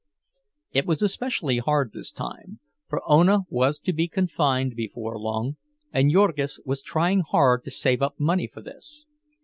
It was especially hard this time, for Ona was to be confined before long, and Jurgis was trying hard to save up money for this.